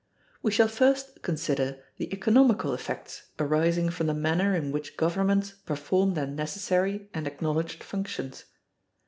We shall first consider the economical effects arising from the manner in which governments perform their necessary and acknowledged functions.